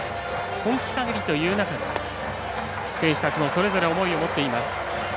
今季限りという中で選手たちも、それぞれ思いを持っています。